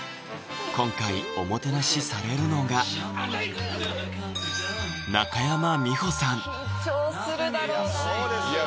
今回おもてなしされるのが緊張するだろうなぁいや